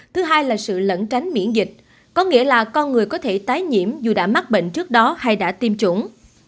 thứ hai là sự lẫn tránh miễn dịch có nghĩa là con người có thể tái nhiễm dù đã mắc bệnh trước đó hay đã tiêm chủng